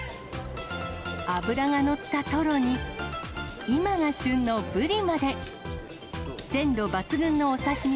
脂が乗ったトロに、今が旬のブリまで。